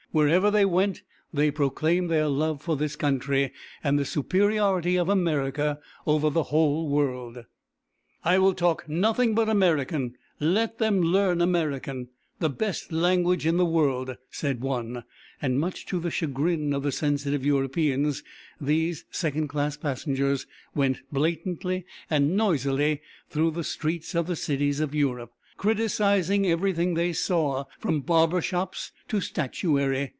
Wherever they went they proclaimed their love for this country, and the superiority of America over the whole world. "I will talk nothing but American; let them learn American, the best language in the world," said one; and much to the chagrin of the sensitive Europeans, these second class passengers went blatantly and noisily through the streets of the cities of Europe, criticising everything they saw, from barber shops to statuary.